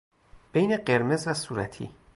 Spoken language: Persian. بین قرمز و صورتی